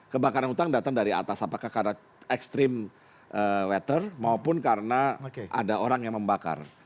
kebakaran hutan datang dari atas apakah karena extreme weather maupun karena ada orang yang membakar